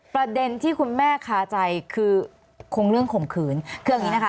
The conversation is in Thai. ประเด็นที่คุณแม่ค้าใจคือคงเรื่องขมขืน